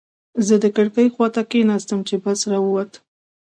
زه د کړکۍ خواته کېناستم چې بس را ووت.